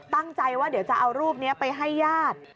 ตั้งใจว่าเดี๋ยวจะเอารูปนี้ไปให้ญาติ